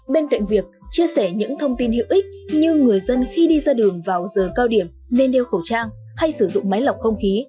bên cạnh việc chia sẻ những thông tin hữu ích như người dân khi đi ra đường vào giờ cao điểm nên đeo khẩu trang hay sử dụng máy lọc không khí